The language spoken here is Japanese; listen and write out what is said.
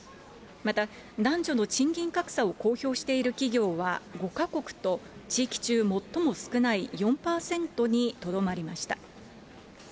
また、男女の賃金格差を公表している企業は５か国と、地域中最も少ない４％にとどまりました。